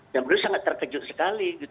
dan beliau sangat terkejut sekali gitu